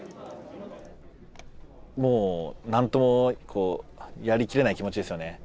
もう何ともこうやりきれない気持ちですよね。